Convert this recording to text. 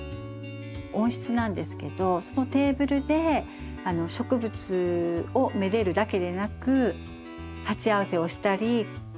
温室なんですけどそのテーブルで植物をめでるだけでなく鉢合わせをしたりお茶を飲んだり。